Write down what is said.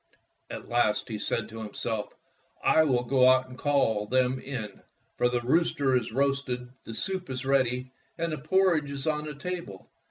At last he said to himself: " I will go out and call them in, for the rooster is roasted, the soup is ready, and the por ridge is on the table.